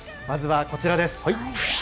まずはこちらです。